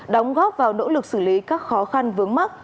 đóng góp vào nỗ lực xử lý các khó khăn vướng mắt